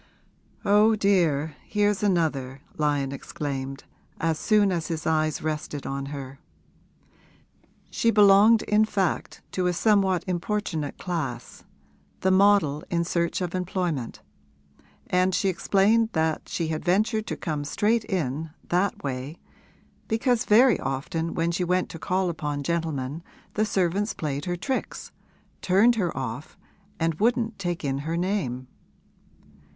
'Oh, dear, here's another!' Lyon exclaimed, as soon as his eyes rested on her. She belonged, in fact, to a somewhat importunate class the model in search of employment, and she explained that she had ventured to come straight in, that way, because very often when she went to call upon gentlemen the servants played her tricks, turned her off and wouldn't take in her name.